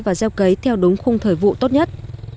và gieo cấy theo đúng khung thời vụ tốt nhất